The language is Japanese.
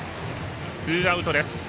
ツーアウトです。